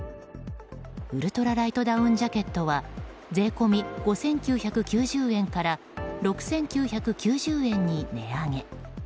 ウルトラライトダウンジャケットは税込み５９９０円から６９９０円に値上げ。